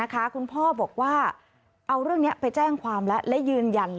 คุณพ่อบอกว่าเอาเรื่องนี้ไปแจ้งความรัก